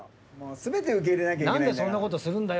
全て受け入れなきゃいけないんだから。